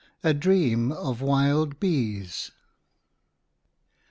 A DREAM OF WILD BEES.